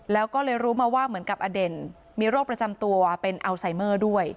แล้วก็เลยรู้มาว่าเหมือนกับอเด่นมีโรคประจำตัวเป็นอัลไซเมอร์ด้วย